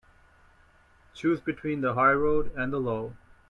Choose between the high road and the low.